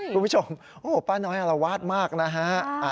คุณผู้ชมป้าน้อยอรวาสมากนะฮะ